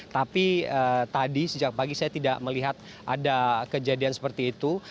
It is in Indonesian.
tapi tadi sejak pagi saya tidak melihat ada kejadian seperti itu